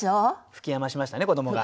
吹き余しましたね子どもが。